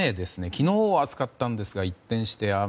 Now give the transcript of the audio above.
昨日は暑かったんですが一転して雨。